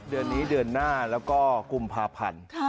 เดือนนี้เดือนหน้าแล้วก็กุมภาพันธ์